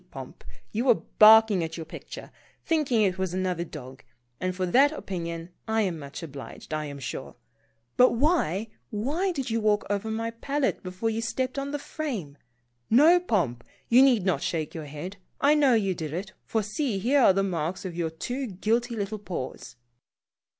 Pomp, you were barking at your picture, thinking it was another dog, and for that opinion I am much obliged, I am sure. But why, why did you walk over my palette before you stepped on the frame? No, Pomp, you need not shake your head. I know you did it, for see, here are the marks of your two guilty little paws